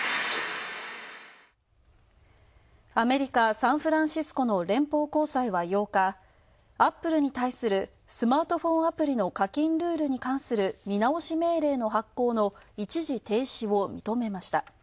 アメリカ・サンフランシスコの連邦高裁は８日、アップルに対するスマートフォンアプリの課金ルールに関する見直し命令の発効の一時停止を認めました。